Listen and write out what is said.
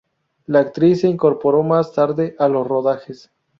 La actriz se incorporó más tarde a los rodajes.